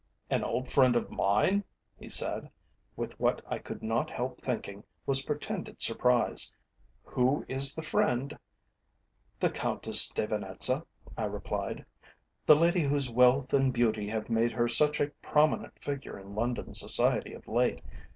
"An old friend of mine?" he said, with what I could not help thinking was pretended surprise. "Who is the friend?" "The Countess de Venetza," I replied. "The lady whose wealth and beauty have made her such a prominent figure in London Society of late.